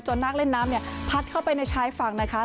นักเล่นน้ำเนี่ยพัดเข้าไปในชายฝั่งนะคะ